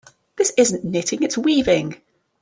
This isn't knitting, its weaving.